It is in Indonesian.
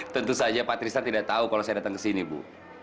tentu saja pak tristan tidak tahu kalau saya datang ke sini bu